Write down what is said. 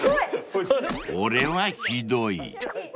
［これはひどい］